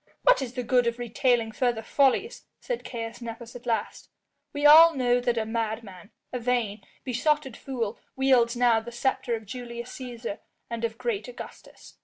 "What is the good of retailing further follies," said Caius Nepos at last; "we all know that a madman, a vain, besotted fool wields now the sceptre of Julius Cæsar and of great Augustus.